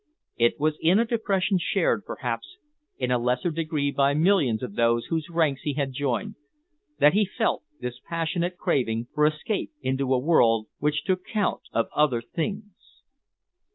It was in a depression shared, perhaps, in a lesser degree by millions of those whose ranks he had joined, that he felt this passionate craving for escape into a world which took count of other things.